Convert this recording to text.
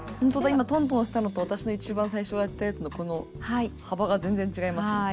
今トントンしたのと私の一番最初やったやつのこの幅が全然違いますね。